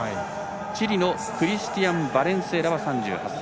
チリのクリスティアン・バレンスエラは３８歳。